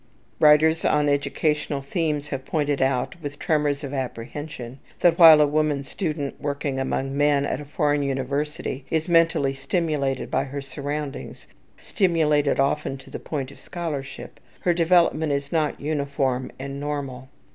Writers on educational themes have pointed out with tremors of apprehension that while a woman student working among men at a foreign university is mentally stimulated by her surroundings, stimulated often to the point of scholarship, her development is not uniform and normal.